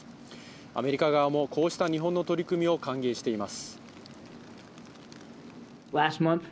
アメリカ側もこうした日本の取り組みを歓迎しています。